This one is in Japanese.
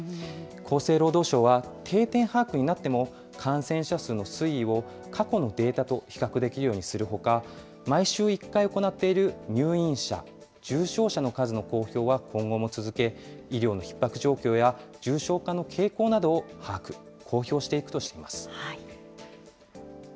厚生労働省は、定点把握になっても感染者数の推移を過去のデータと比較できるようにするほか、毎週１回行っている入院者、重症者の数の公表は今後も続け、医療のひっ迫状況や、重症化の傾向などを把握・公表していくとしています。